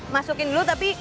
masukin dulu tapi